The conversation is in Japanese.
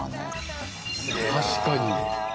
「確かに」